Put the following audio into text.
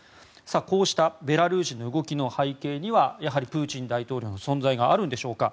こうしたベラルーシの動きの背景にはやはりプーチン大統領の存在があるんでしょうか。